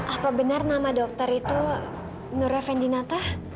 apa benar nama dokter itu nure fendi nata